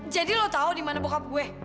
jadi lo tahu di mana bokap gue